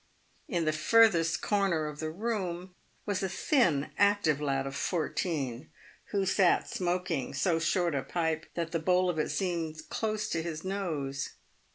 In the furthest corner of the room was a thin, active lad of fourteen, who sat smoking so short a pipe that the bowl of it seemed close to his nose.